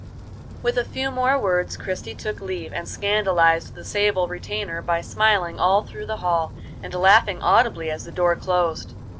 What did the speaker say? With a few more words Christie took leave, and scandalized the sable retainer by smiling all through the hall, and laughing audibly as the door closed.